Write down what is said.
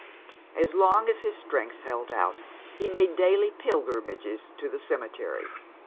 As long as his strength held out, he made daily pilgrimages to the cemetery.